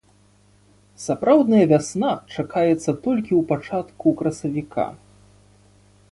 Сапраўдная вясна чакаецца толькі ў пачатку красавіка.